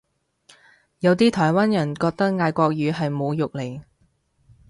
有啲台灣人覺得嗌國語係侮辱嚟